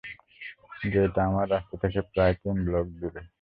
যেটা, আমার রাস্তা থেকে প্রায় তিন ব্লক দূরে।